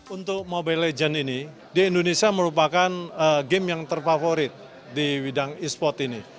untuk mobile legends ini di indonesia merupakan game yang terfavorit di bidang e sport ini